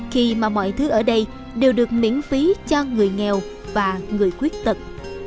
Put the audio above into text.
khi mà mọi thứ ở đây đều được miễn phí cho người nghèo và người khuyết tật